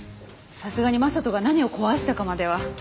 さすがに将人が何を壊したかまでは。